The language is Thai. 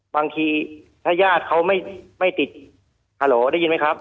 บางทีถ้าญาติเขาไม่ติดฮาโหลได้ยินไหมครับ